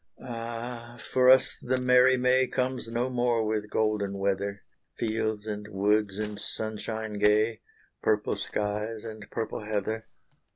Ah! for us the merry May Comes no more with golden weather; Fields, and woods, and sunshine gay, Purple skies, and purple heather.